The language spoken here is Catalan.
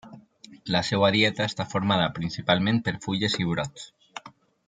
La seva dieta està formada principalment per fulles i brots.